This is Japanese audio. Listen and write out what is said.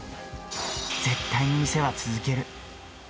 絶対に店は続ける。